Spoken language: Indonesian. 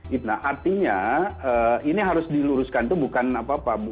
artinya ini harus diluruskan itu bukan apa apa